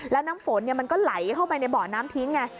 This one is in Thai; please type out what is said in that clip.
แล้วน้ำฝนมันก็ไหลเข้าไปในเบาะน้ำทิ้งไง